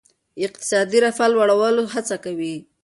اقتصاد د رفاه لوړولو هڅه کوي.